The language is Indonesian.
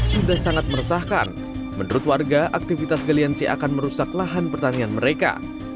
sudah sangat meresahkan menurut warga aktivitas galian c akan merusak lahan pertanian mereka